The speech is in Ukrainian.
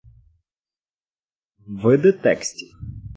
Види текстів